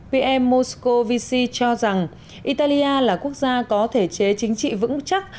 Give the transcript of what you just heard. pm moscovici cho rằng italia là quốc gia có thể chế chính trị vững chắc